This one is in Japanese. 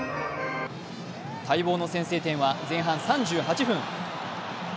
待望の先制点は前半３８分。